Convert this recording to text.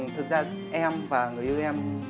thực ra em và người yêu em